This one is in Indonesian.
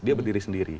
dia berdiri sendiri